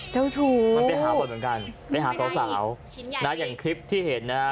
เจ้าชู้มันไปหาบทเหมือนกันไปหาสาวสาวนะอย่างคลิปที่เห็นนะฮะ